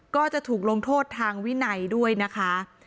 ก็จะถูกลงโทษทางวินัยด้วยนะคะ